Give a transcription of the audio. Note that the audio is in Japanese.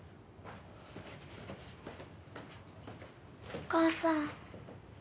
お母さん。